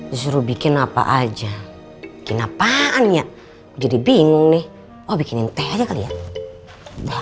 disuruh bikin apa aja kena paannya jadi bingung nih bikinin teh aja kali ya oh bikinin teh aja kali ya